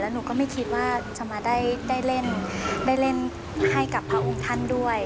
หนูก็ไม่คิดว่าจะมาได้เล่นได้เล่นให้กับพระองค์ท่านด้วย